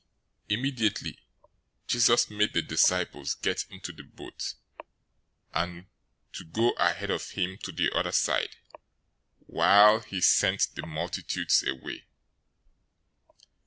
014:022 Immediately Jesus made the disciples get into the boat, and to go ahead of him to the other side, while he sent the multitudes away.